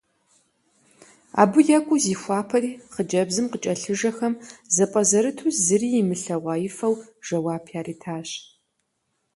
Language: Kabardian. Абы екӀуу зихуапэри, хъыджэбзым къыкӀэлъыжэхэм зэпӀэзэрыту, зыри имылъэгъуаифэу жэуап яритащ.